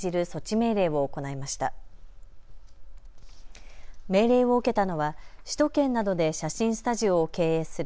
命令を受けたのは首都圏などで写真スタジオを経営する